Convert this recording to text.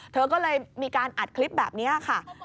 เธอก็เลยมีการอัดคลิปแบบนี้ค่ะ